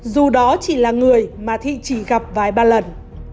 dù đó chỉ là người mà thị chỉ gặp vài ba lần